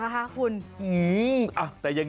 หล่อน